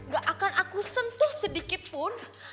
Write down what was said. gak akan aku sentuh sedikit pun